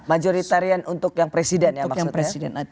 majoritarian untuk yang presiden ya maksudnya